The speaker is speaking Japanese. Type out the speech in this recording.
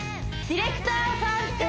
ディレクターさんって